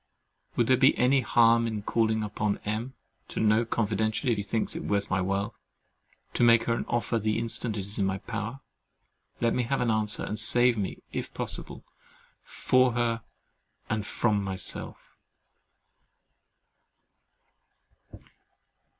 Would there be any harm in calling upon M——, to know confidentially if he thinks it worth my while to make her an offer the instant it is in my power? Let me have an answer, and save me, if possible, FOR her and FROM myself.